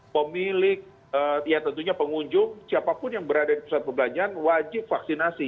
pemilik ya tentunya pengunjung siapapun yang berada di pusat perbelanjaan wajib vaksinasi